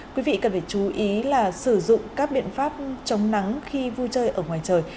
quý vị cần phải chú ý là sử dụng các biện pháp chống nắng khi vui chơi ở ngoài trời